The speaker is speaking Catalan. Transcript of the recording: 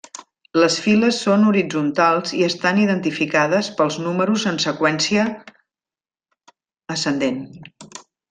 Les files són horitzontals i estan identificades pels números en seqüència ascendent.